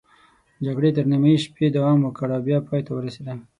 جګړې تر نیمايي شپې دوام وکړ او بیا پای ته ورسېده.